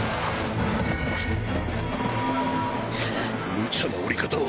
むちゃな降り方を。